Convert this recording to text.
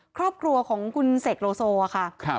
ครอบครัวของคุณเสกโลโซค่ะ